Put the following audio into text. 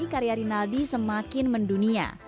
karya rinaldi semakin mendunia